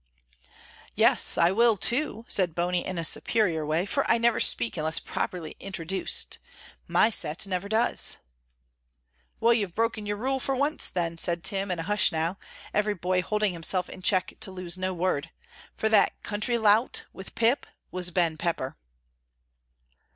"Yes, I will, too," said Bony, in a superior way, "for I never speak unless properly introduced. My set never does." "Well, you've broken your rule for once then," said Tim, in a hush now, every boy holding himself in check to lose no word, "for that country lout with Pip was Ben Pepper."